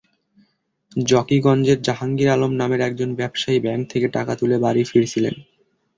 জকিগঞ্জের জাহাঙ্গীর আলম নামের একজন ব্যবসায়ী ব্যাংক থেকে টাকা তুলে বাড়ি ফিরছিলেন।